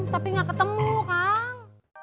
tapi ga ketemu kang